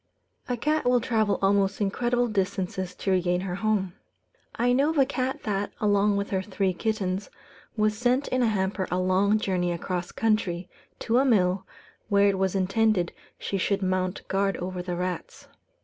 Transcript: A cat will travel almost incredible distances to regain her home. I know of a cat that, along with her three kittens, was sent in a hamper a long journey across country, to a mill, where it was intended she should mount guard over the rats.